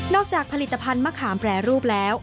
จากผลิตภัณฑ์มะขามแปรรูปแล้ว